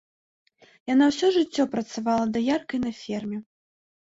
Яна ўсё жыццё працавала даяркай на ферме.